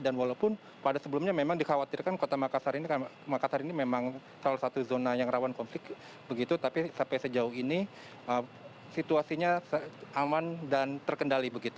dan walaupun pada sebelumnya memang dikhawatirkan kota makassar ini memang salah satu zona yang rawan konflik tapi sampai sejauh ini situasinya aman dan terkendali